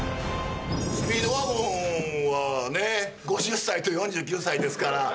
スピードワゴンはね５０歳と４９歳ですから。